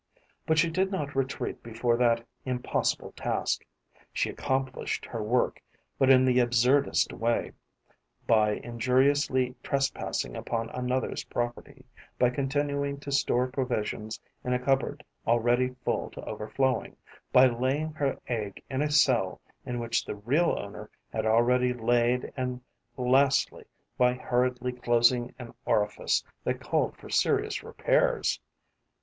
But she did not retreat before that impossible task. She accomplished her work, but in the absurdest way: by injuriously trespassing upon another's property, by continuing to store provisions in a cupboard already full to overflowing, by laying her egg in a cell in which the real owner had already laid and lastly by hurriedly closing an orifice that called for serious repairs.